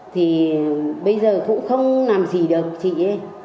thì bây giờ cũng không làm gì được chị ấy